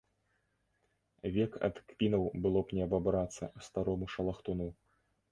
Век ад кпінаў было б не абабрацца старому шалахтуну.